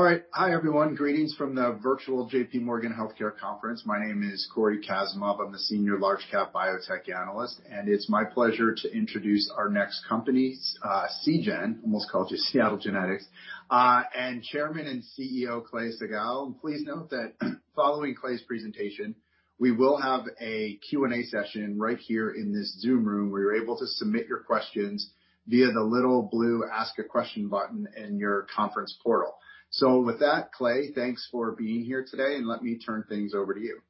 All right. Hi, everyone. Greetings from the virtual JPMorgan Healthcare Conference. My name is Cory Kasimov. I'm the Senior Large-Cap Biotech Analyst. It's my pleasure to introduce our next company, Seagen, almost called you Seattle Genetics, and Chairman and CEO Clay Siegall. Please note that following Clay's presentation, we will have a Q&A session right here in this Zoom room where you're able to submit your questions via the little blue Ask a Question button in your conference portal. With that, Clay, thanks for being here today. Let me turn things over to you.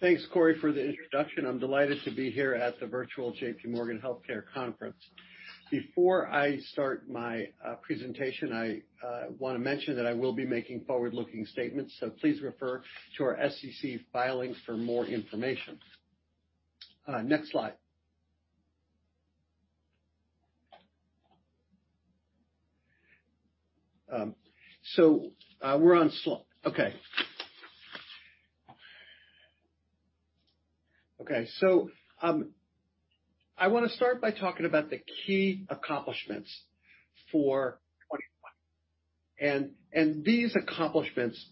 Thanks, Cory, for the introduction. I'm delighted to be here at the virtual JPMorgan Healthcare Conference. Before I start my presentation, I want to mention that I will be making forward-looking statements, so please refer to our SEC filings for more information. Next slide. Okay. I want to start by talking about the key accomplishments for 2021, and these accomplishments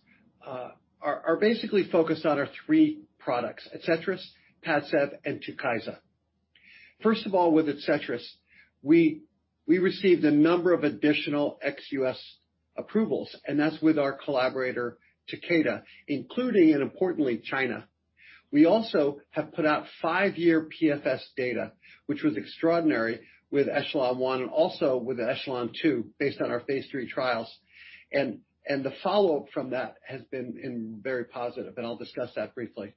are basically focused on our three products, ADCETRIS, PADCEV, and TUKYSA. First of all, with ADCETRIS, we received a number of additional ex-U.S. approvals, and that's with our collaborator, Takeda, including and importantly, China. We also have put out five-year PFS data, which was extraordinary with ECHELON-1 and also with ECHELON-2, based on our phase III trials. The follow-up from that has been very positive, and I'll discuss that briefly.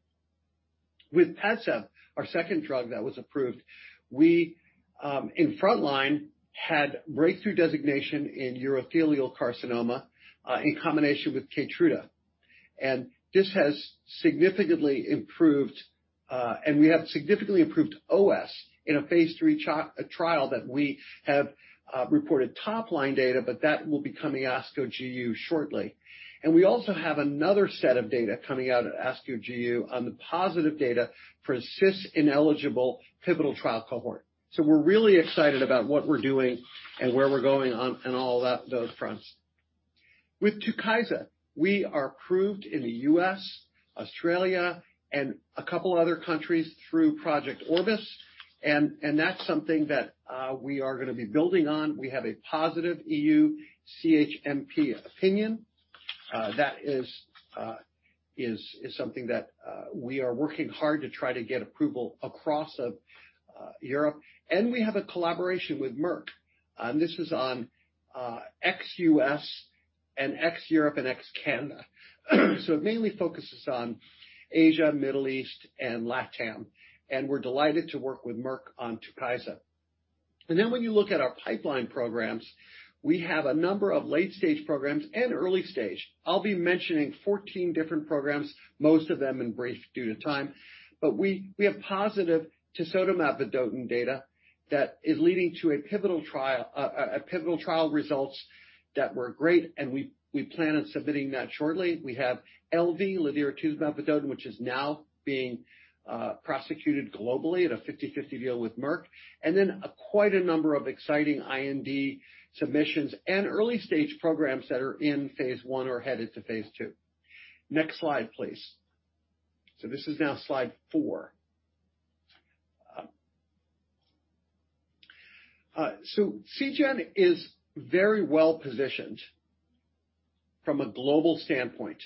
With PADCEV, our second drug that was approved, we, in frontline, had breakthrough designation in urothelial carcinoma, in combination with KEYTRUDA. We have significantly improved OS in a phase III trial that we have reported top-line data, but that will be coming ASCO GU shortly. We also have another set of data coming out at ASCO GU on the positive data for a cis-ineligible pivotal trial cohort. We're really excited about what we're doing and where we're going on all those fronts. With TUKYSA, we are approved in the U.S., Australia, and a couple other countries through Project Orbis, and that's something that we are going to be building on. We have a positive EU CHMP opinion. That is something that we are working hard to try to get approval across Europe. We have a collaboration with Merck, and this is on ex-U.S. and ex-Europe and ex-Canada. It mainly focuses on Asia, Middle East, and LATAM. We're delighted to work with Merck on TUKYSA. When you look at our pipeline programs, we have a number of late-stage programs and early-stage. I'll be mentioning 14 different programs, most of them in brief due to time. We have positive tisotumab vedotin data that is leading to a pivotal trial results that were great, and we plan on submitting that shortly. We have LV, ladiratuzumab vedotin, which is now being prosecuted globally at a 50/50 deal with Merck. Quite a number of exciting IND submissions and early-stage programs that are in phase I or headed to phase II. Next slide, please. This is now slide four. Seagen is very well-positioned from a global standpoint,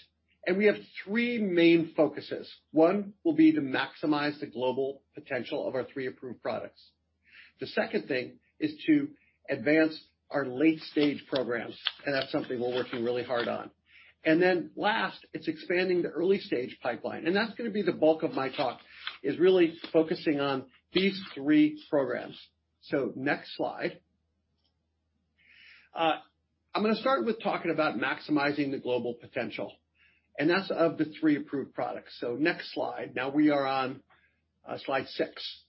and we have three main focuses. One will be to maximize the global potential of our three approved products. The second thing is to advance our late-stage programs, and that's something we're working really hard on. Last, it's expanding the early-stage pipeline. That's going to be the bulk of my talk, is really focusing on these three programs. Next slide. I'm going to start with talking about maximizing the global potential. That's of the three approved products. Next slide. Now we are on slide six.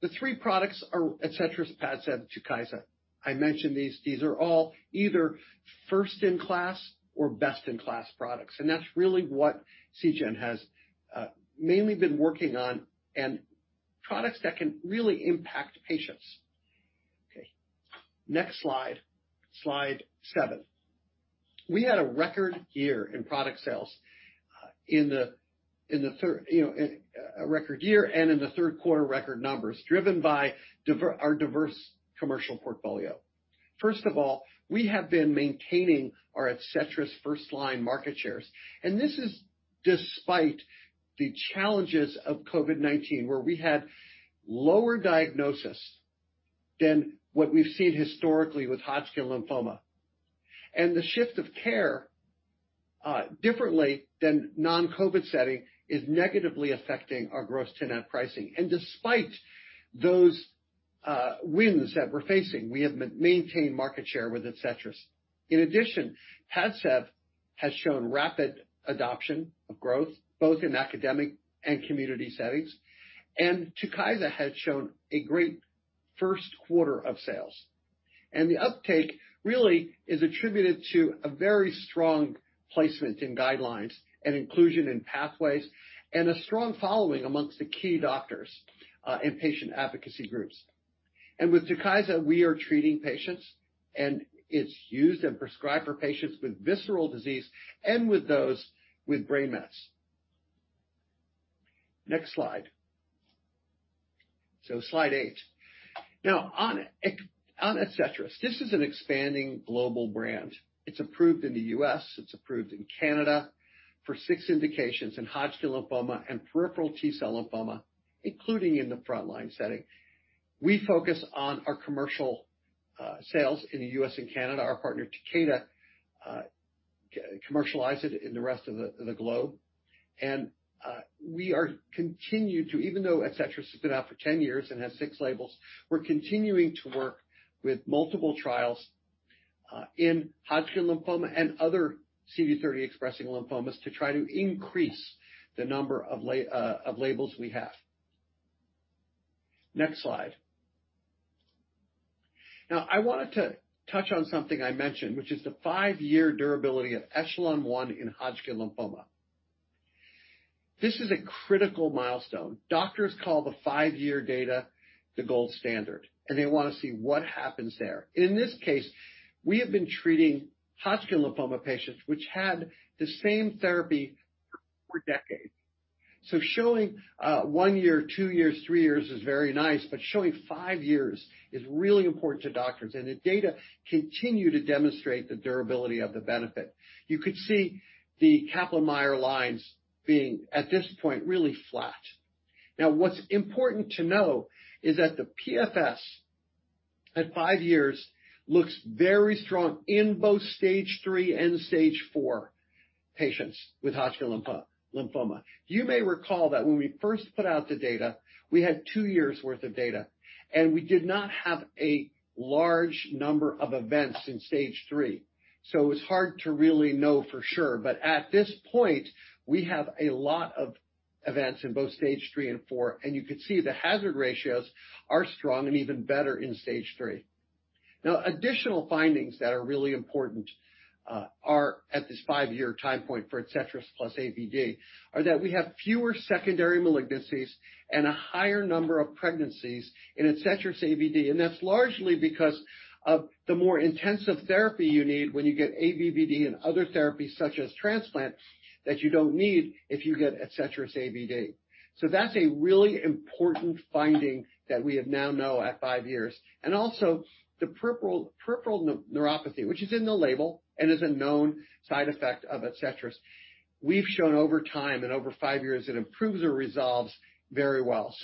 The three products are ADCETRIS, PADCEV, TUKYSA. I mentioned these. These are all either first-in-class or best-in-class products, and that's really what Seagen has mainly been working on, and products that can really impact patients. Okay. Next slide seven. We had a record year in product sales, a record year. In the third quarter, record numbers driven by our diverse commercial portfolio. First of all, we have been maintaining our ADCETRIS first-line market shares. This is despite the challenges of COVID-19, where we had lower diagnosis than what we've seen historically with Hodgkin lymphoma. The shift of care, differently than non-COVID setting, is negatively affecting our gross-to-net pricing. Despite those winds that we're facing, we have maintained market share with ADCETRIS. In addition, PADCEV has shown rapid adoption of growth, both in academic and community settings. TUKYSA has shown a great first quarter of sales. The uptake really is attributed to a very strong placement in guidelines and inclusion in pathways, and a strong following amongst the key doctors and patient advocacy groups. With TUKYSA, we are treating patients, and it's used and prescribed for patients with visceral disease and with those with brain mets. Next slide. Slide eight. On ADCETRIS. This is an expanding global brand. It's approved in the U.S., it's approved in Canada for six indications in Hodgkin lymphoma and peripheral T-cell lymphoma, including in the frontline setting. We focus on our commercial sales in the U.S. and Canada. Our partner, Takeda, commercialize it in the rest of the globe. We are continued to, even though ADCETRIS has been out for 10 years and has six labels, we're continuing to work with multiple trials, in Hodgkin lymphoma and other CD30-expressing lymphomas to try to increase the number of labels we have. Next slide. I wanted to touch on something I mentioned, which is the five-year durability of ECHELON-1 in Hodgkin lymphoma. This is a critical milestone. Doctors call the five-year data the gold standard, and they want to see what happens there. In this case, we have been treating Hodgkin lymphoma patients, which had the same therapy for decades. Showing one year, two years, three years is very nice, but showing five years is really important to doctors. The data continue to demonstrate the durability of the benefit. You could see the Kaplan-Meier lines being, at this point, really flat. What's important to know is that the PFS at five years looks very strong in both Stage III and Stage IV patients with Hodgkin lymphoma. You may recall that when we first put out the data, we had two years' worth of data, and we did not have a large number of events in Stage III, so it was hard to really know for sure. At this point, we have a lot of events in both Stage III and IV, and you could see the hazard ratios are strong and even better in Stage III. Additional findings that are really important are at this five-year time point for ADCETRIS plus AVD are that we have fewer secondary malignancies and a higher number of pregnancies in ADCETRIS AVD. That's largely because of the more intensive therapy you need when you get ABVD and other therapies such as transplant that you don't need if you get ADCETRIS AVD. That's a really important finding that we now know at five years. Also the peripheral neuropathy, which is in the label and is a known side effect of ADCETRIS. We've shown over time and over five years it improves or resolves very well.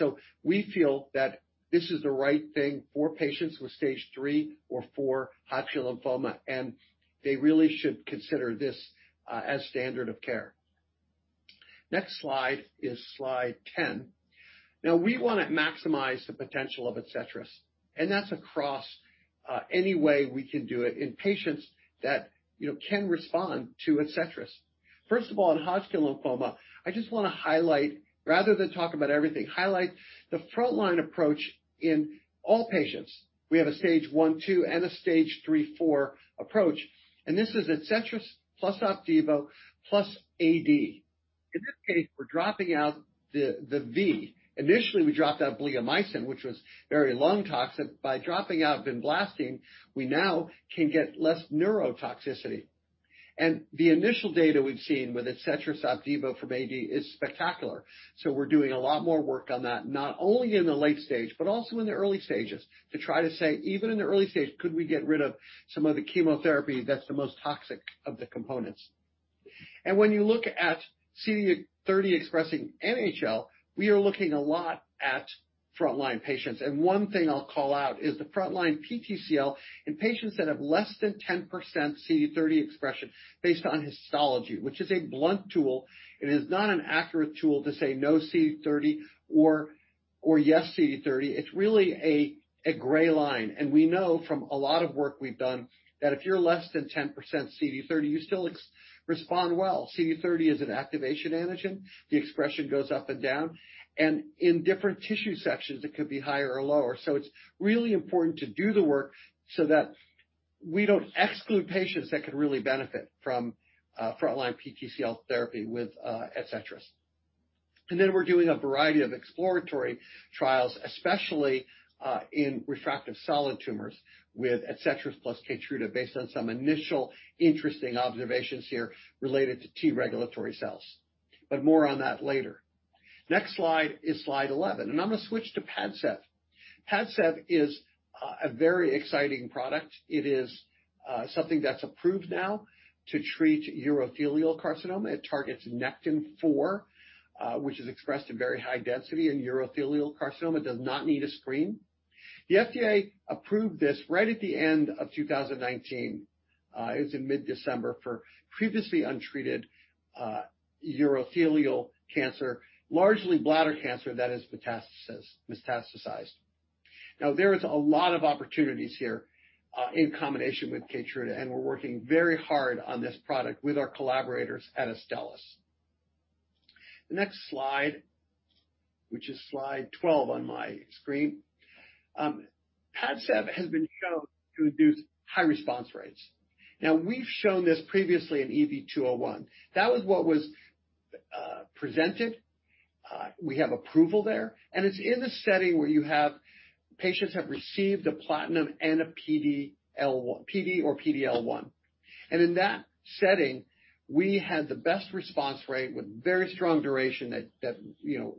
We feel that this is the right thing for patients with Stage III or IV Hodgkin lymphoma, and they really should consider this as standard of care. Next slide is slide 10. Now we want to maximize the potential of ADCETRIS, and that's across any way we can do it in patients that can respond to ADCETRIS. First of all, in Hodgkin lymphoma, I just want to highlight, rather than talk about everything, highlight the frontline approach in all patients. We have a Stage I, II, and a Stage III, IV approach, and this is ADCETRIS plus Opdivo plus AD. In this case, we're dropping out the V. Initially, we dropped out bleomycin, which was very lung toxic. By dropping out vinblastine, we now can get less neurotoxicity. The initial data we've seen with ADCETRIS, Opdivo from AD is spectacular. We're doing a lot more work on that, not only in the late stage but also in the early stages to try to say, even in the early stage, could we get rid of some of the chemotherapy that's the most toxic of the components? When you look at CD30 expressing NHL, we are looking a lot at frontline patients. One thing I'll call out is the frontline PTCL in patients that have less than 10% CD30 expression based on histology, which is a blunt tool and is not an accurate tool to say no CD30 or yes CD30. It's really a gray line, and we know from a lot of work we've done that if you're less than 10% CD30, you still respond well. CD30 is an activation antigen. The expression goes up and down, and in different tissue sections, it could be higher or lower. It's really important to do the work so that we don't exclude patients that could really benefit from frontline PTCL therapy with ADCETRIS. Then we're doing a variety of exploratory trials, especially in refractive solid tumors with ADCETRIS plus KEYTRUDA, based on some initial interesting observations here related to T-regulatory cells. More on that later. Next slide is slide 11. I'm going to switch to PADCEV. PADCEV is a very exciting product. It is something that's approved now to treat urothelial carcinoma. It targets Nectin-4, which is expressed in very high density in urothelial carcinoma. It does not need a screen. The FDA approved this right at the end of 2019. It was in mid-December for previously untreated urothelial cancer, largely bladder cancer that has metastasized. There is a lot of opportunities here in combination with KEYTRUDA, and we're working very hard on this product with our collaborators at Astellas. The next slide, which is slide 12 on my screen. PADCEV has been shown to induce high response rates. We've shown this previously in EV-201. That was what was presented. We have approval there, and it's in the setting where you have patients have received a platinum and a PD or PD-L1. In that setting, we had the best response rate with very strong duration that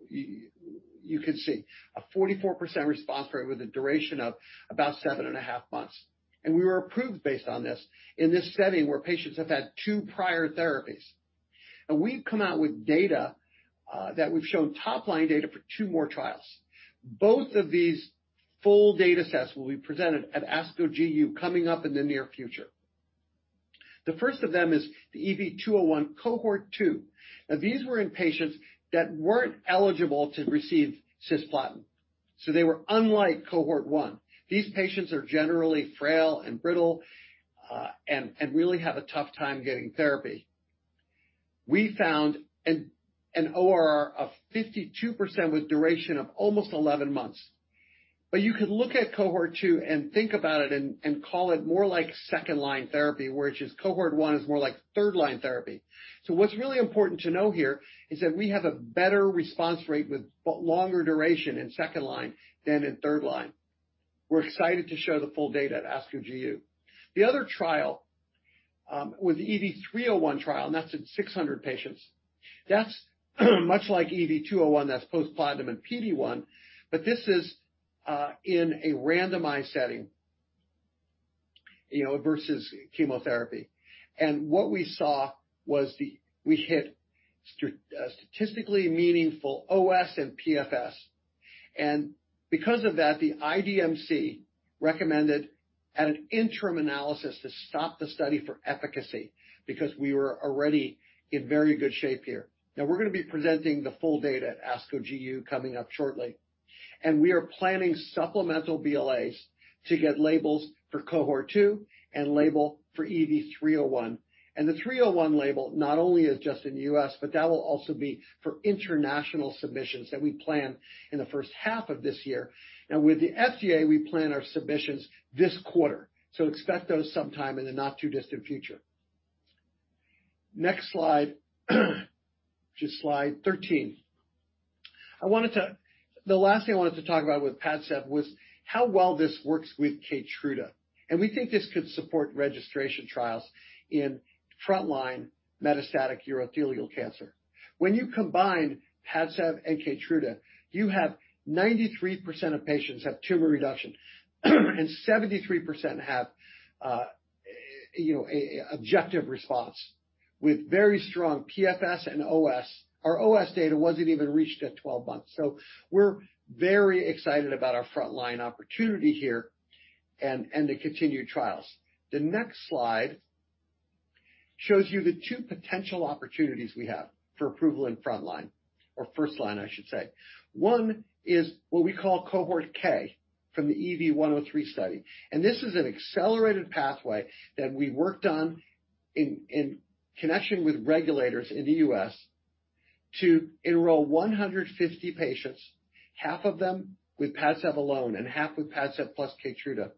you could see. A 44% response rate with a duration of about seven and a half months. We were approved based on this in this setting where patients have had two prior therapies. We've come out with data that we've shown top-line data for two more trials. Both of these full data sets will be presented at ASCO GU coming up in the near future. The first of them is the EV-201 cohort 2. These were in patients that weren't eligible to receive cisplatin. They were unlike cohort 1. These patients are generally frail and brittle, and really have a tough time getting therapy. We found an ORR of 52% with duration of almost 11 months. You could look at cohort two and think about it and call it more like second-line therapy, which is cohort one is more like third-line therapy. What's really important to know here is that we have a better response rate with longer duration in second-line than in third-line. We're excited to show the full data at ASCO GU. The other trial was the EV-301 trial, and that's in 600 patients. That's much like EV-201, that's post-platinum and PD-1, but this is in a randomized setting versus chemotherapy. What we saw was we hit statistically meaningful OS and PFS. Because of that, the IDMC recommended at an interim analysis to stop the study for efficacy because we were already in very good shape here. We're going to be presenting the full data at ASCO GU coming up shortly. We are planning supplemental BLAs to get labels for cohort 2 and label for EV-301. The 301 label not only is just in the U.S., but that will also be for international submissions that we plan in the first half of this year. Now with the FDA, we plan our submissions this quarter. Expect those sometime in the not-too-distant future. Next slide, which is slide 13. The last thing I wanted to talk about with PADCEV was how well this works with KEYTRUDA, and we think this could support registration trials in frontline metastatic urothelial cancer. When you combine PADCEV and KEYTRUDA, you have 93% of patients have tumor reduction and 73% have an objective response with very strong PFS and OS. Our OS data wasn't even reached at 12 months. We're very excited about our frontline opportunity here and the continued trials. The next slide shows you the two potential opportunities we have for approval in frontline, or first line, I should say. One is what we call cohort K from the EV-103 study, and this is an accelerated pathway that we worked on in connection with regulators in the U.S. to enroll 150 patients, half of them with PADCEV alone and half with PADCEV plus KEYTRUDA,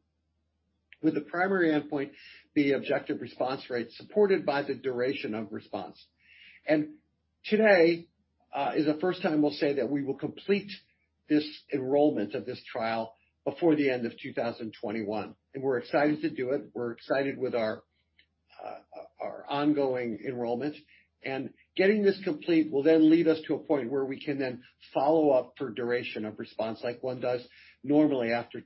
with the primary endpoint being objective response rate supported by the duration of response. Today is the first time we'll say that we will complete this enrollment of this trial before the end of 2021. We're excited to do it. We're excited with our ongoing enrollment. Getting this complete will then lead us to a point where we can then follow-up for duration of response like one does normally after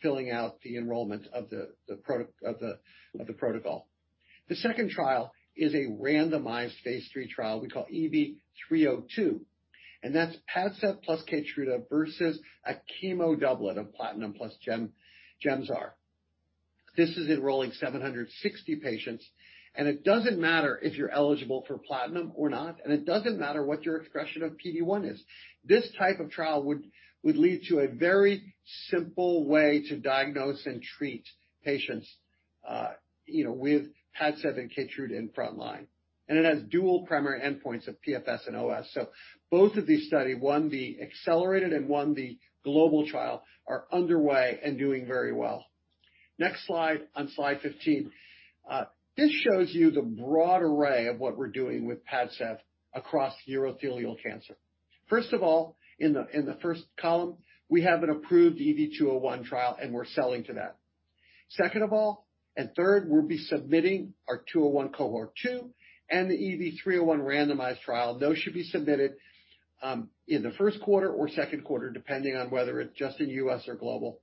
filling out the enrollment of the protocol. The second trial is a randomized phase III trial we call EV-302, and that's PADCEV plus KEYTRUDA versus a chemo doublet of platinum plus Gemzar. This is enrolling 760 patients. It doesn't matter if you're eligible for platinum or not. It doesn't matter what your expression of PD-1 is. This type of trial would lead to a very simple way to diagnose and treat patients with PADCEV and KEYTRUDA in front line. It has dual primary endpoints of PFS and OS. Both of these study, one the accelerated and one the global trial, are underway and doing very well. Next slide on slide 15. This shows you the broad array of what we're doing with PADCEV across urothelial cancer. First of all, in the first column, we have an approved EV-201 trial. We're selling to that. Second of all, and third, we'll be submitting our 201 cohort 2 and the EV-301 randomized trial. Those should be submitted in the first quarter or second quarter, depending on whether it's just in U.S. or global.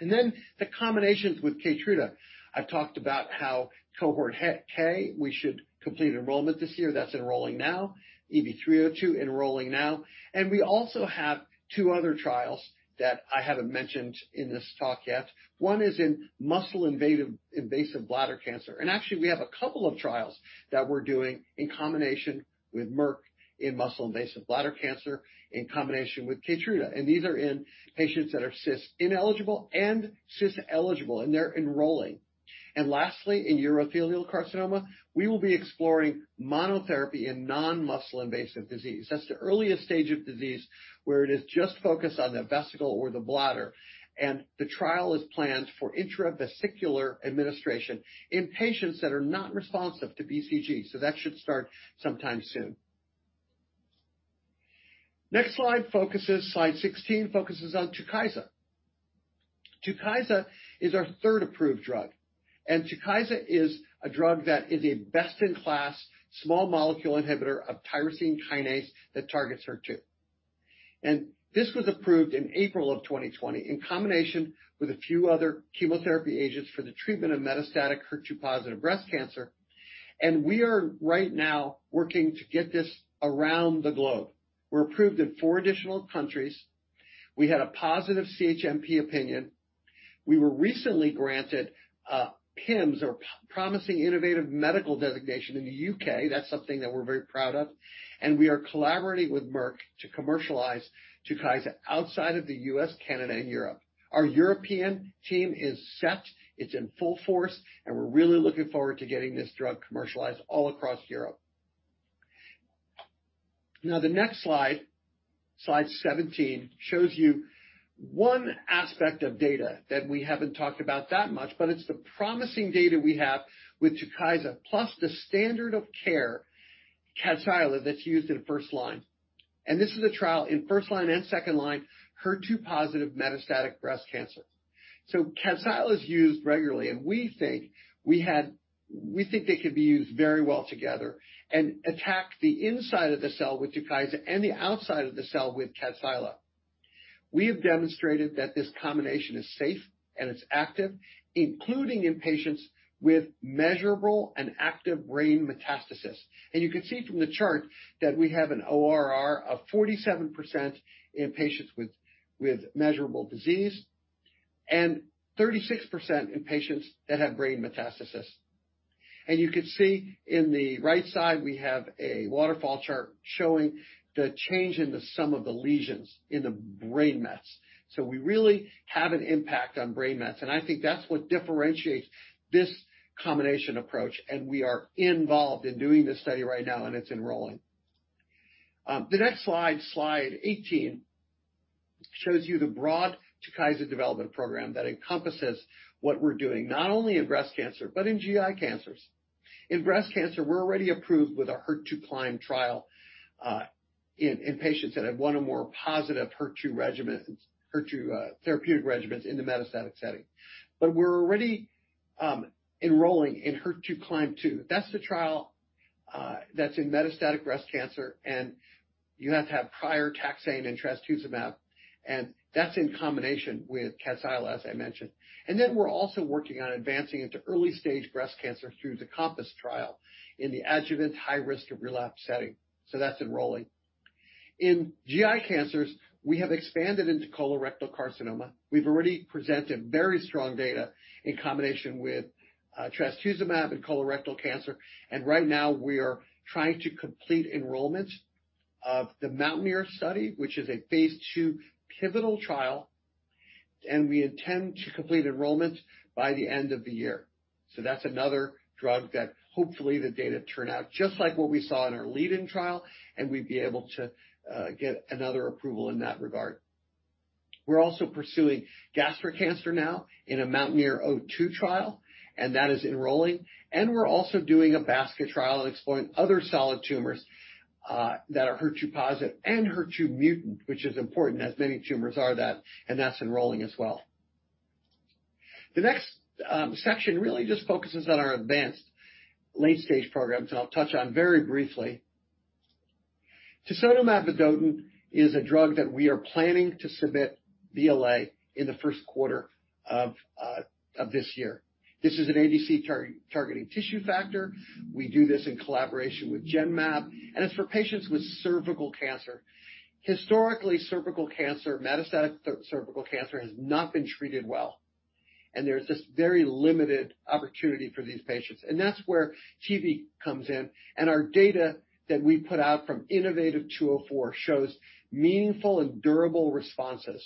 The combinations with KEYTRUDA. I've talked about how cohort K, we should complete enrollment this year. That's enrolling now. EV-302 enrolling now. We also have two other trials that I haven't mentioned in this talk yet. One is in muscle invasive bladder cancer. Actually, we have a couple of trials that we're doing in combination with Merck in muscle invasive bladder cancer in combination with KEYTRUDA. These are in patients that are cis-ineligible and cis-eligible, and they're enrolling. Lastly, in urothelial carcinoma, we will be exploring monotherapy in non-muscle invasive disease. That's the earliest stage of disease where it is just focused on the vesicle or the bladder. The trial is planned for intravesicular administration in patients that are not responsive to BCG. That should start sometime soon. Next slide 16, focuses on TUKYSA. TUKYSA is our third approved drug, and TUKYSA is a drug that is a best-in-class small molecule inhibitor of tyrosine kinase that targets HER2. This was approved in April of 2020 in combination with a few other chemotherapy agents for the treatment of metastatic HER2-positive breast cancer, and we are right now working to get this around the globe. We're approved in four additional countries. We had a positive CHMP opinion. We were recently granted a PIMS, or Promising Innovative Medicine Designation, in the U.K. That's something that we're very proud of. We are collaborating with Merck to commercialize TUKYSA outside of the U.S., Canada, and Europe. Our European team is set, it's in full force, and we're really looking forward to getting this drug commercialized all across Europe. The next slide 17, shows you one aspect of data that we haven't talked about that much, but it's the promising data we have with TUKYSA plus the standard of care, KADCYLA, that's used in first line. This is a trial in first line and second line HER2-positive metastatic breast cancer. KADCYLA is used regularly, and we think they could be used very well together and attack the inside of the cell with TUKYSA and the outside of the cell with KADCYLA. We have demonstrated that this combination is safe and it's active, including in patients with measurable and active brain metastasis. You can see from the chart that we have an ORR of 47% in patients with measurable disease and 36% in patients that have brain metastasis. You can see in the right side, we have a waterfall chart showing the change in the sum of the lesions in the brain mets. We really have an impact on brain mets, and I think that's what differentiates this combination approach. We are involved in doing this study right now, and it's enrolling. The next slide 18, shows you the broad TUKYSA development program that encompasses what we're doing not only in breast cancer, but in GI cancers. In breast cancer, we're already approved with a HER2CLIMB trial, in patients that have one or more positive HER2 therapeutic regimens in the metastatic setting. We're already enrolling in HER2CLIMB-02. That's the trial that's in metastatic breast cancer, and you have to have prior taxane and trastuzumab, and that's in combination with KADCYLA, as I mentioned. We're also working on advancing into early-stage breast cancer through the COMPASS trial in the adjuvant high risk of relapse setting. That's enrolling. In GI cancers, we have expanded into colorectal carcinoma. We've already presented very strong data in combination with trastuzumab and colorectal cancer. Right now we are trying to complete enrollment of the MOUNTAINEER study, which is a phase II pivotal trial. We intend to complete enrollment by the end of the year. That's another drug that hopefully the data turn out just like what we saw in our lead-in trial. We'd be able to get another approval in that regard. We're also pursuing gastric cancer now in a MOUNTAINEER-02 trial. That is enrolling. We're also doing a basket trial and exploring other solid tumors that are HER2-positive and HER2 mutant, which is important as many tumors are that, and that's enrolling as well. The next section really just focuses on our advanced late-stage programs, I'll touch on very briefly. Tisotumab vedotin is a drug that we are planning to submit BLA in the first quarter of this year. This is an ADC targeting tissue factor. We do this in collaboration with Genmab, it's for patients with cervical cancer. Historically, metastatic cervical cancer has not been treated well. There's this very limited opportunity for these patients, that's where TV comes in. Our data that we put out from innovaTV 204 shows meaningful and durable responses,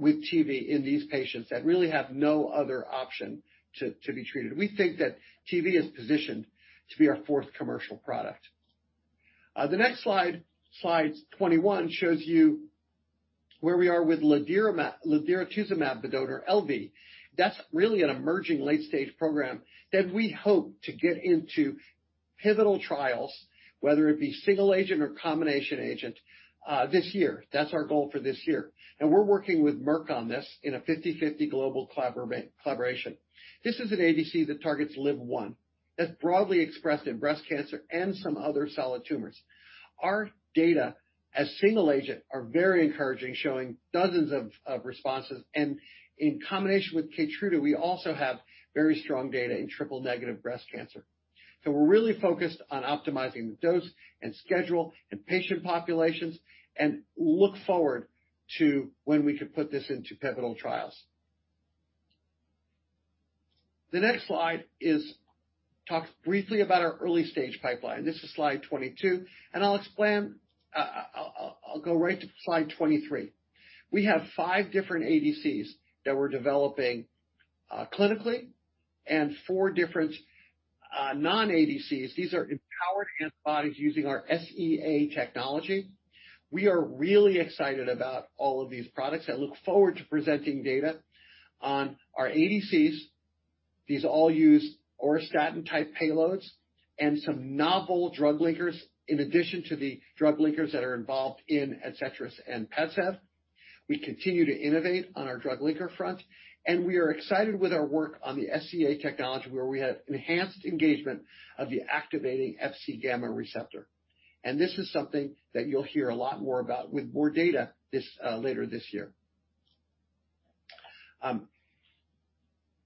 with TV in these patients that really have no other option to be treated. We think that TV is positioned to be our fourth commercial product. The next slide 21, shows you where we are with ladiratuzumab vedotin or LV. That's really an emerging late-stage program that we hope to get into pivotal trials, whether it be single agent or combination agent, this year. That's our goal for this year. We're working with Merck on this in a 50/50 global collaboration. This is an ADC that targets LIV-1, that's broadly expressed in breast cancer and some other solid tumors. Our data as single agent are very encouraging, showing dozens of responses. In combination with KEYTRUDA, we also have very strong data in triple-negative breast cancer. We're really focused on optimizing the dose and schedule and patient populations and look forward to when we could put this into pivotal trials. The next slide talks briefly about our early-stage pipeline. This is slide 22. I'll go right to slide 23. We have five different ADCs that we're developing clinically and four different non-ADCs. These are empowered antibodies using our SEA technology. We are really excited about all of these products and look forward to presenting data on our ADCs. These all use auristatin-type payloads and some novel drug linkers in addition to the drug linkers that are involved in ADCETRIS and PADCEV. We continue to innovate on our drug linker front. We are excited with our work on the SEA technology, where we have enhanced engagement of the activating Fc gamma receptor. This is something that you'll hear a lot more about with more data later this year.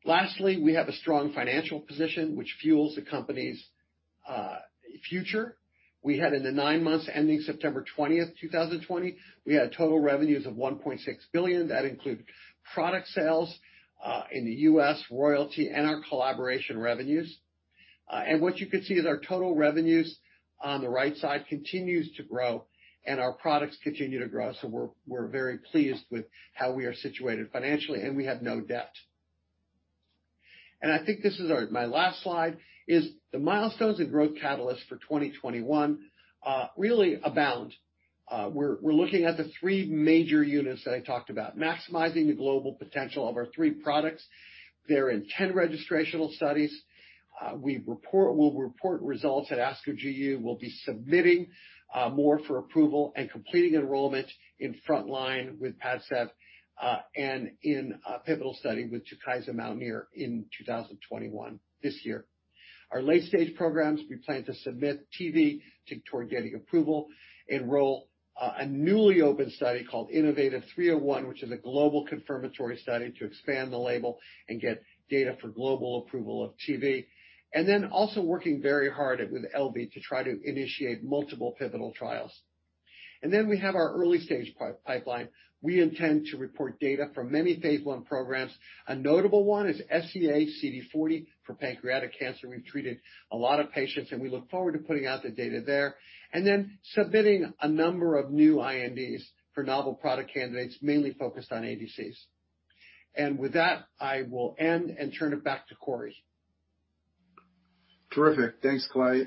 Lastly, we have a strong financial position, which fuels the company's future. We had in the nine months ending September 20th, 2020, we had total revenues of $1.6 billion. That includes product sales in the U.S., royalty, and our collaboration revenues. What you could see is our total revenues on the right side continues to grow, and our products continue to grow. We're very pleased with how we are situated financially, and we have no debt. I think this is my last slide, is the milestones and growth catalyst for 2021 really abound. We're looking at the three major units that I talked about, maximizing the global potential of our three products. They're in 10 registrational studies. We'll report results at ASCO GU. We'll be submitting more for approval and completing enrollment in frontline with PADCEV, and in a pivotal study with TUKYSA/MOUNTAINEER in 2021, this year. Our late-stage programs, we plan to submit TV toward getting approval, enroll a newly opened study called innovaTV 301, which is a global confirmatory study to expand the label and get data for global approval of TV. Also working very hard with LV to try to initiate multiple pivotal trials. We have our early-stage pipeline. We intend to report data from many phase I programs. A notable one is SEA-CD40 for pancreatic cancer. We've treated a lot of patients, and we look forward to putting out the data there. Submitting a number of new INDs for novel product candidates, mainly focused on ADCs. With that, I will end and turn it back to Cory. Terrific. Thanks, Clay.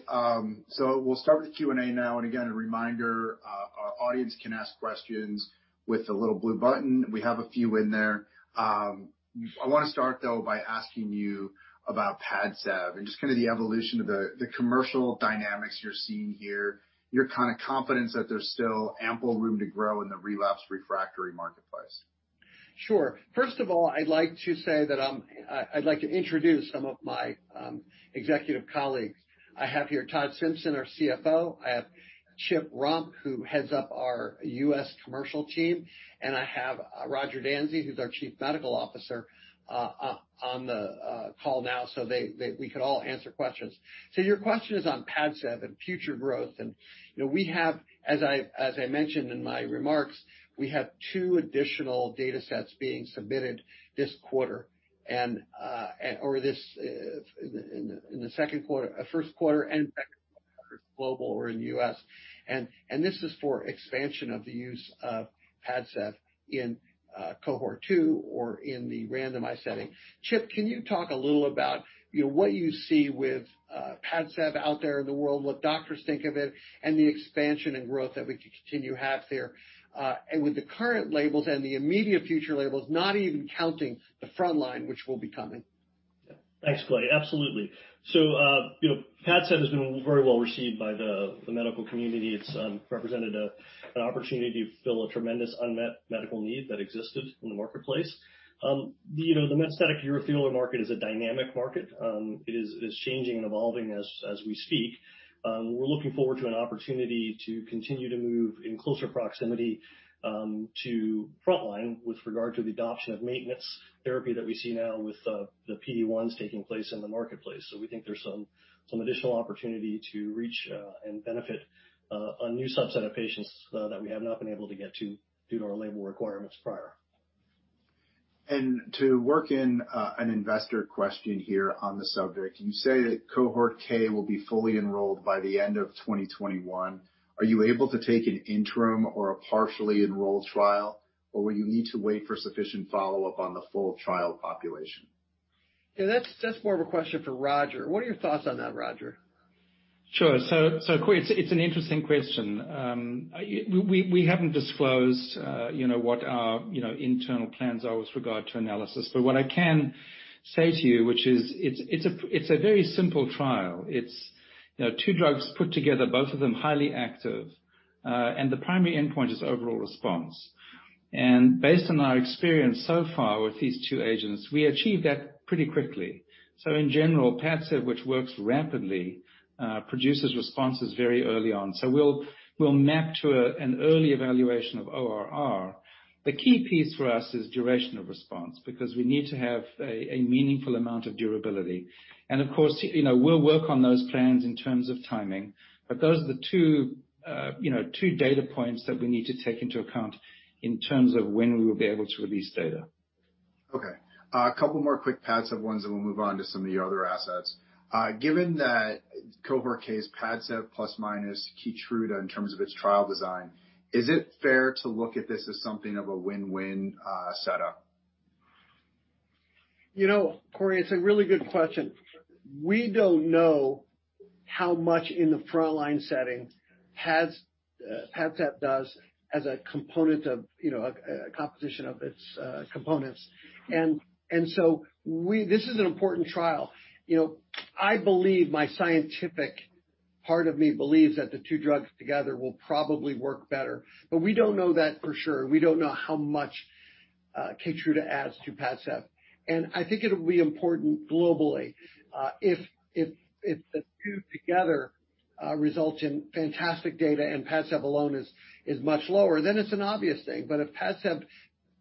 We'll start with Q&A now. Again, a reminder, our audience can ask questions with the little blue button. We have a few in there. I want to start, though, by asking you about PADCEV and just kind of the evolution of the commercial dynamics you're seeing here, your kind of confidence that there's still ample room to grow in the relapse refractory marketplace. Sure. First of all, I'd like to introduce some of my executive colleagues. I have here Todd Simpson, our CFO. I have Chip Romp, who heads up our U.S. commercial team, and I have Roger Dansey, who's our Chief Medical Officer, on the call now. We could all answer questions. Your question is on PADCEV and future growth. As I mentioned in my remarks, we have two additional data sets being submitted this quarter, in the first quarter and second quarter, global or in the U.S. This is for expansion of the use of PADCEV in cohort two or in the randomized setting. Chip, can you talk a little about what you see with PADCEV out there in the world, what doctors think of it, and the expansion and growth that we continue have there, and with the current labels and the immediate future labels, not even counting the front line, which will be coming? Yeah. Thanks, Clay. Absolutely. PADCEV has been very well received by the medical community. It's represented an opportunity to fill a tremendous unmet medical need that existed in the marketplace. The metastatic urothelial market is a dynamic market. It is changing and evolving as we speak. We're looking forward to an opportunity to continue to move in closer proximity to frontline with regard to the adoption of maintenance therapy that we see now with the PD-1s taking place in the marketplace. We think there's some additional opportunity to reach and benefit a new subset of patients that we have not been able to get to due to our label requirements prior. To work in an investor question here on the subject. You say that cohort K will be fully enrolled by the end of 2021. Are you able to take an interim or a partially enrolled trial, or will you need to wait for sufficient follow-up on the full trial population? Yeah, that's more of a question for Roger. What are your thoughts on that, Roger? Sure. Cory, it's an interesting question. We haven't disclosed what our internal plans are with regard to analysis. What I can say to you, which is it's a very simple trial. It's two drugs put together, both of them highly active. The primary endpoint is overall response. Based on our experience so far with these two agents, we achieved that pretty quickly. In general, PADCEV, which works rapidly, produces responses very early on. We'll map to an early evaluation of ORR. The key piece for us is duration of response, because we need to have a meaningful amount of durability. Of course, we'll work on those plans in terms of timing, but those are the two data points that we need to take into account in terms of when we will be able to release data. Okay. A couple more quick PADCEV ones, and we'll move on to some of your other assets. Given that cohort K is PADCEV plus/minus KEYTRUDA in terms of its trial design, is it fair to look at this as something of a win-win setup? Cory, it's a really good question. We don't know how much in the frontline setting PADCEV does as a composition of its components. This is an important trial. My scientific part of me believes that the two drugs together will probably work better, but we don't know that for sure. We don't know how much KEYTRUDA adds to PADCEV. I think it'll be important globally, if the two together result in fantastic data and PADCEV alone is much lower, then it's an obvious thing. If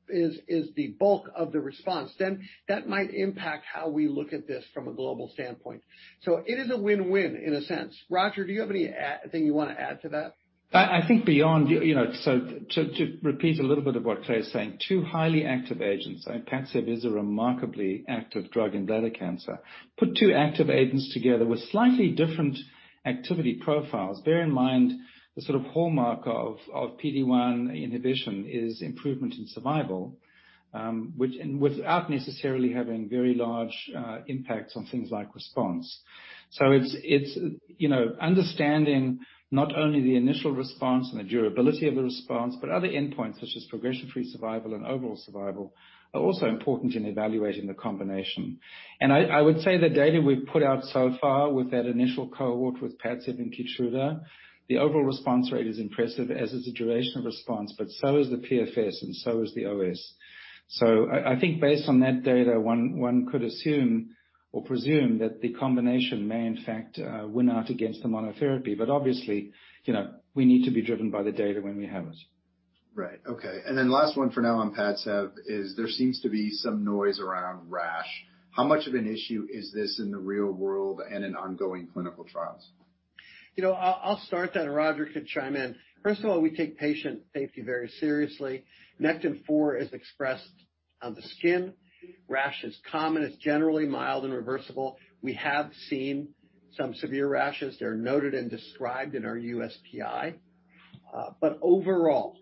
PADCEV is the bulk of the response, then that might impact how we look at this from a global standpoint. It is a win-win in a sense. Roger, do you have anything you want to add to that? I think to repeat a little bit of what Clay is saying, two highly active agents. PADCEV is a remarkably active drug in bladder cancer. Put two active agents together with slightly different activity profiles. Bear in mind, the sort of hallmark of PD-1 inhibition is improvement in survival, without necessarily having very large impacts on things like response. It's understanding not only the initial response and the durability of the response, but other endpoints such as progression-free survival and overall survival are also important in evaluating the combination. I would say the data we've put out so far with that initial cohort with PADCEV and KEYTRUDA, the overall response rate is impressive, as is the duration of response, but so is the PFS and so is the OS. I think based on that data, one could assume or presume that the combination may in fact win out against the monotherapy. Obviously, we need to be driven by the data when we have it. Right. Okay. Last one for now on PADCEV is there seems to be some noise around rash. How much of an issue is this in the real world and in ongoing clinical trials? I'll start that, and Roger can chime in. First of all, we take patient safety very seriously. Nectin-4 is expressed on the skin. Rash is common. It's generally mild and reversible. We have seen some severe rashes. They're noted and described in our USPI. Overall,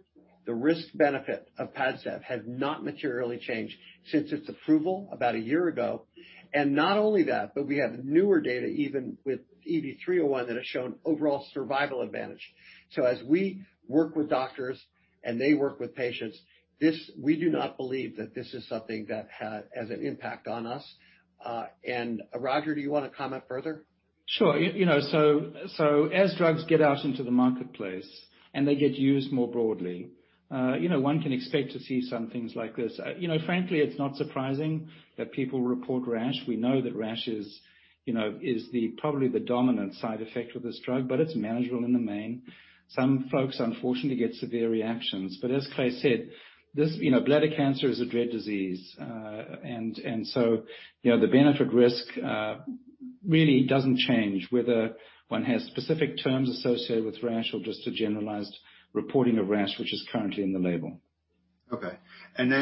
the risk-benefit of PADCEV has not materially changed since its approval about a year ago. Not only that, but we have newer data, even with EV-301, that has shown overall survival advantage. As we work with doctors and they work with patients, we do not believe that this is something that has an impact on us. Roger, do you want to comment further? Sure. As drugs get out into the marketplace and they get used more broadly, one can expect to see some things like this. Frankly, it's not surprising that people report rash. We know that rash is probably the dominant side effect of this drug, but it's manageable in the main. Some folks unfortunately get severe reactions. As Clay said, bladder cancer is a dread disease. The benefit risk really doesn't change whether one has specific terms associated with rash or just a generalized reporting of rash, which is currently in the label. Okay. An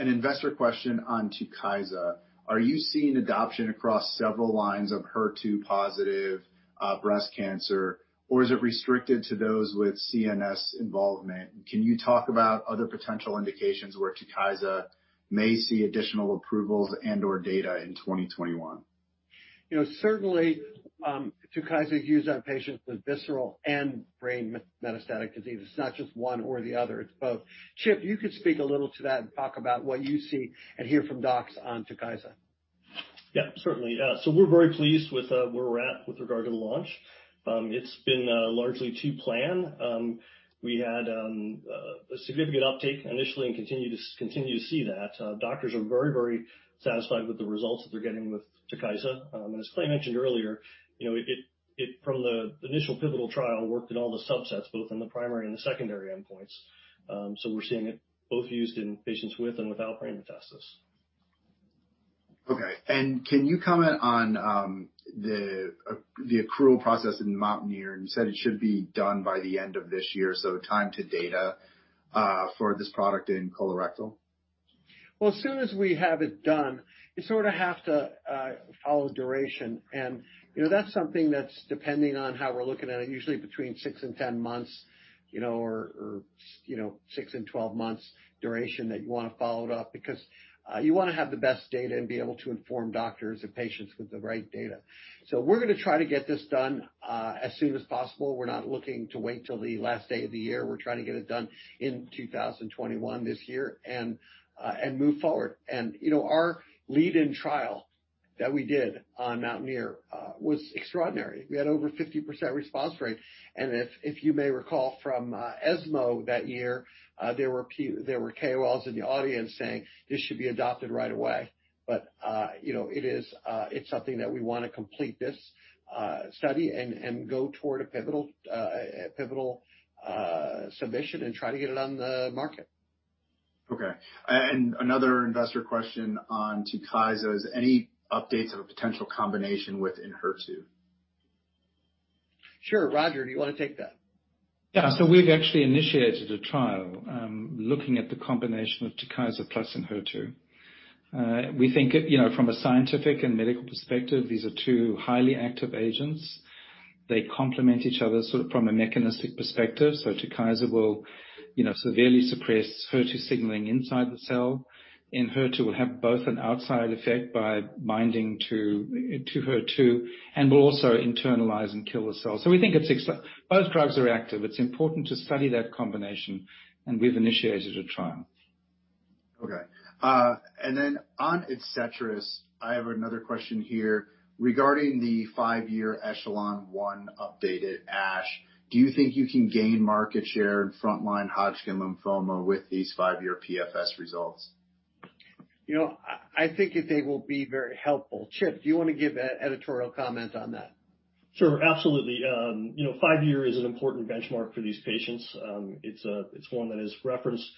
investor question on TUKYSA. Are you seeing adoption across several lines of HER2-positive breast cancer, or is it restricted to those with CNS involvement? Can you talk about other potential indications where TUKYSA may see additional approvals and/or data in 2021? Certainly, TUKYSA is used on patients with visceral and brain metastatic disease. It's not just one or the other, it's both. Chip, you could speak a little to that and talk about what you see and hear from docs on TUKYSA. Yeah, certainly. We're very pleased with where we're at with regard to the launch. It's been largely to plan. We had a significant uptake initially, and continue to see that. Doctors are very satisfied with the results that they're getting with TUKYSA. As Clay mentioned earlier, from the initial pivotal trial, worked in all the subsets, both in the primary and the secondary endpoints. We're seeing it both used in patients with and without brain metastasis. Okay. Can you comment on the accrual process in MOUNTAINEER? You said it should be done by the end of this year, time to data, for this product in colorectal. As soon as we have it done, you sort of have to follow duration. That's something that's depending on how we're looking at it, usually between six and 10 months, or six and 12 months duration that you want to follow it up because you want to have the best data and be able to inform doctors and patients with the right data. We're going to try to get this done as soon as possible. We're not looking to wait till the last day of the year. We're trying to get it done in 2021 this year and move forward. Our lead-in trial that we did on MOUNTAINEER was extraordinary. We had over 50% response rate, and if you may recall from ESMO that year, there were KOLs in the audience saying this should be adopted right away. It's something that we want to complete this study and go toward a pivotal submission and try to get it on the market. Okay. Another investor question on TUKYSA. Any updates of a potential combination with ENHERTU? Sure. Roger, do you want to take that? Yeah. We've actually initiated a trial, looking at the combination of TUKYSA plus ENHERTU. We think from a scientific and medical perspective, these are two highly active agents. They complement each other sort of from a mechanistic perspective. TUKYSA will severely suppress HER2 signaling inside the cell, ENHERTU will have both an outside effect by binding to HER2, and will also internalize and kill the cell. We think both drugs are active. It's important to study that combination, and we've initiated a trial. Okay. On ADCETRIS, I have another question here regarding the five-year ECHELON-1 updated ASH. Do you think you can gain market share in frontline Hodgkin lymphoma with these five-year PFS results? I think that they will be very helpful. Chip, do you want to give editorial comment on that? Sure. Absolutely. Five-year is an important benchmark for these patients. It's one that is referenced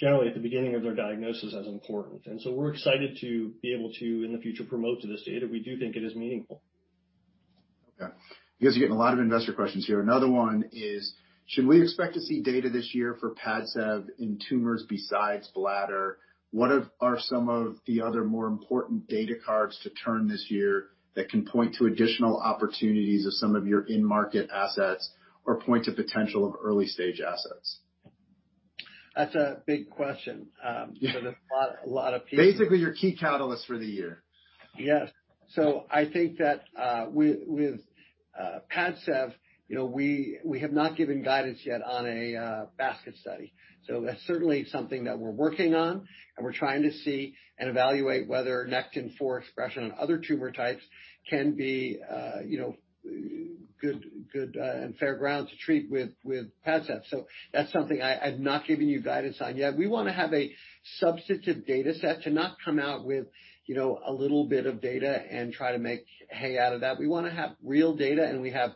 generally at the beginning of their diagnosis as important. We're excited to be able to, in the future, promote to this data. We do think it is meaningful. Okay. You guys are getting a lot of investor questions here. Another one is, should we expect to see data this year for PADCEV in tumors besides bladder? What are some of the other more important data cards to turn this year that can point to additional opportunities of some of your in-market assets or point to potential of early-stage assets? That's a big question because there's a lot of pieces. Basically, your key catalysts for the year. Yes. I think that with PADCEV, we have not given guidance yet on a basket study. That's certainly something that we're working on, and we're trying to see and evaluate whether Nectin-4 expression on other tumor types can be good and fair grounds to treat with PADCEV. That's something I've not given you guidance on yet. We want to have a substantive data set to not come out with a little bit of data and try to make hay out of that. We want to have real data, and we have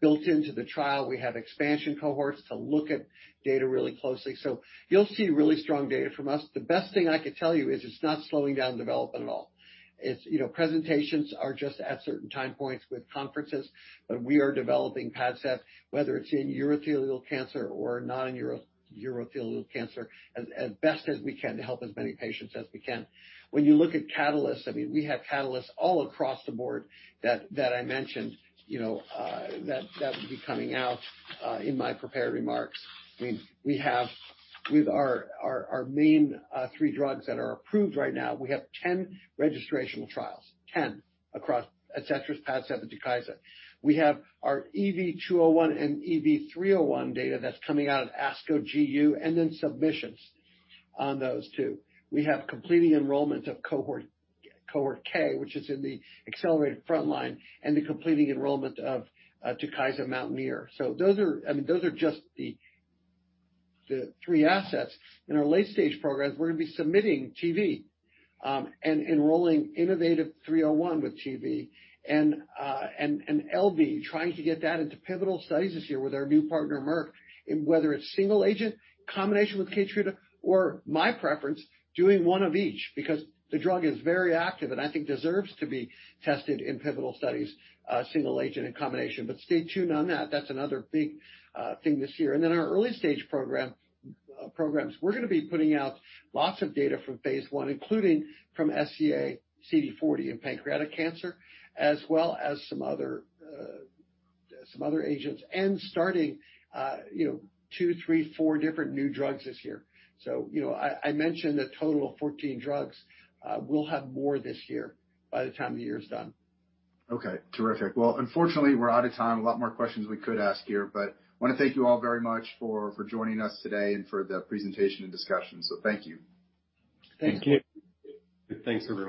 built into the trial. We have expansion cohorts to look at data really closely. You'll see really strong data from us. The best thing I could tell you is it's not slowing down development at all. Presentations are just at certain time points with conferences, but we are developing PADCEV, whether it's in urothelial cancer or non-urothelial cancer, as best as we can to help as many patients as we can. When you look at catalysts, we have catalysts all across the board that I mentioned that would be coming out in my prepared remarks. With our main three drugs that are approved right now, we have 10 registrational trials, 10 across ADCETRIS, PADCEV, and TUKYSA. We have our EV-201 and EV-301 data that's coming out of ASCO GU, and then submissions on those, too. We have completing enrollment of cohort K, which is in the accelerated frontline, and the completing enrollment of TUKYSA MOUNTAINEER. Those are just the three assets. In our late-stage programs, we're going to be submitting TV and enrolling innovaTV 301 with TV and LV, trying to get that into pivotal studies this year with our new partner, Merck, whether it's single agent, combination with KEYTRUDA, or my preference, doing one of each, because the drug is very active and I think deserves to be tested in pivotal studies, single agent and combination. Stay tuned on that. That's another big thing this year. Our early-stage programs, we're going to be putting out lots of data from phase I, including from SEA-CD40 in pancreatic cancer, as well as some other agents, and starting two, three, four different new drugs this year. I mentioned a total of 14 drugs. We'll have more this year by the time the year is done. Okay. Terrific. Well, unfortunately, we're out of time. A lot more questions we could ask here, but I want to thank you all very much for joining us today and for the presentation and discussion. Thank you. Thank you. Thank you. Thanks, everyone.